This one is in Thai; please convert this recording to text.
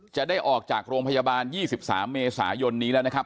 จะได้ออกจากโรงพยาบาล๒๓เมษายนนี้แล้วนะครับ